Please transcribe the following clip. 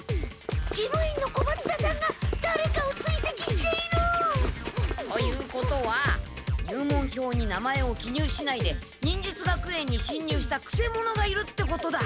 事務員の小松田さんがだれかをついせきしている！ということは入門票に名前を記入しないで忍術学園にしんにゅうしたくせ者がいるってことだ。